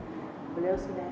sambil dipakein baju